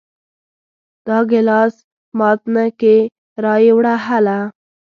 دا ګلاس مات نه کې را یې وړه هله!